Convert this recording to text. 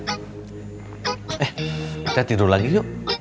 eh kita tidur lagi yuk